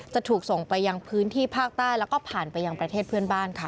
จะถูกส่งไปยังพื้นที่ภาคใต้แล้วก็ผ่านไปยังประเทศเพื่อนบ้านค่ะ